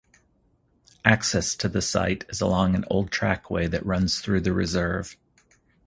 Access to the site is along an old trackway that runs through the reserve.